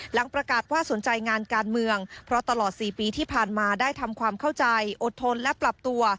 หลังประกาศว่าสนใจงานการเมืองเพราะตลอด๔ปีที่ผ่านมาได้ทำความเข้าใจอดทนและปรับตัว